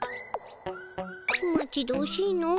待ち遠しいの。